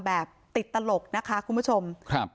แบบติดตลกนะคะคุณผู้ชมครับ